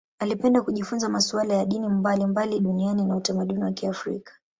Alipenda kujifunza masuala ya dini mbalimbali duniani na utamaduni wa Kiafrika.